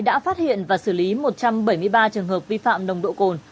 đã phát hiện và xử lý một trăm bảy mươi ba trường hợp vi phạm nồng độ cồn